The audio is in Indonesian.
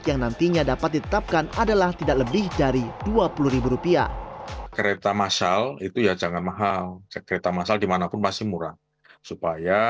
yang nantinya dapat ditetapkan adalah tidak lebih dari rp dua puluh